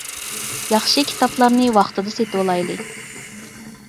ياخشى كىتابلارنى ۋاقتىدا سېتىۋالايلى.